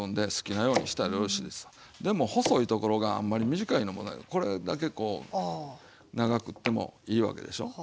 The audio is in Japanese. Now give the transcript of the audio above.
でも細いところがあんまり短いのもこれだけこう長くってもいいわけでしょ。